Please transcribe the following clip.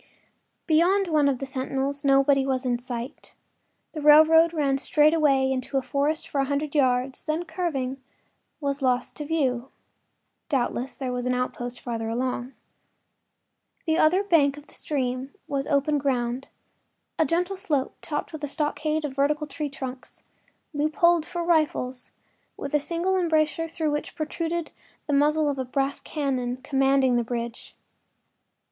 Beyond one of the sentinels nobody was in sight; the railroad ran straight away into a forest for a hundred yards, then, curving, was lost to view. Doubtless there was an outpost farther along. The other bank of the stream was open ground—a gentle slope topped with a stockade of vertical tree trunks, loopholed for rifles, with a single embrasure through which protruded the muzzle of a brass cannon commanding the bridge.